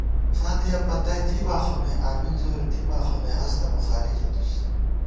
فاتحہ پتی تھِباخونئ امین زورےتھِبا خونئ ہستہ بُخاری ݪِتُس